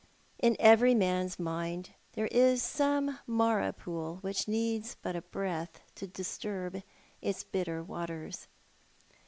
In every man s mind there is some Marah pool which needs but a breath to disturb its bitter waters.